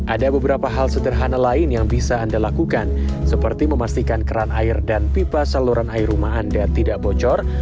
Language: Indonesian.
ada beberapa hal sederhana lain yang bisa anda lakukan seperti memastikan keran air dan pipa saluran air rumah anda tidak bocor